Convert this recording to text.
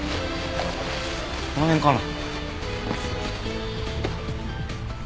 この辺かな？